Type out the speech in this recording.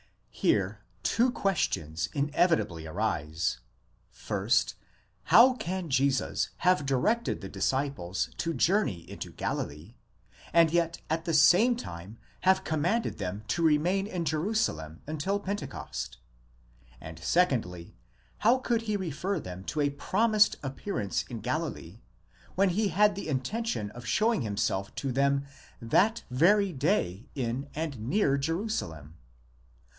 Here two questions inevitably arise: rst, how can Jesus have directed the disciples to journey into Galilee, and yet at the same time have commanded them to re main in Jerusalem until Pentecost ἢ and 2ndly, how could he refer them to a promised appearance in Galilee, when he had the intention of showing himself to them that very day in and near Jerusalem?